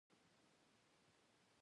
د قدرت او معرفت تر منځ رابطه وښييو